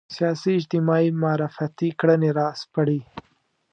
سیاسي اجتماعي معرفتي کړنې راسپړي